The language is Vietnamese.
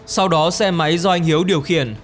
sau đó xe máy do anh hiếu điều khiển